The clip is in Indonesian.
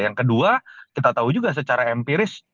yang kedua kita tahu juga secara empiris